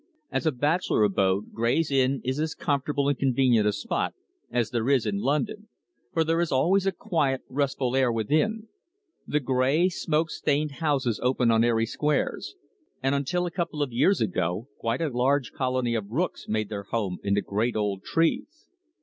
As a bachelor abode Gray's Inn is as comfortable and convenient a spot as there is in London, for there is always a quiet, restful air within; the grey, smoke stained houses open on airy squares, and until a couple of years ago, quite a large colony of rooks made their home in the great old trees.